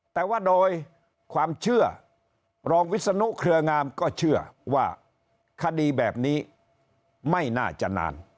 แต่ว่าโดยความเชื่อรองวิศนุเครืองามก็เชื่อว่าคดีแบบนี้ไม่น่าจะนาน